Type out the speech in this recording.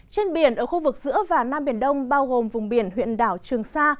trên biển ở khu vực giữa và nam biển đông bao gồm vùng biển huyện đảo trường sa